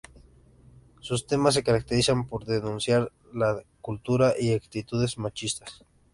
Sus temas se caracterizan por denunciar la cultura y actitudes machistas.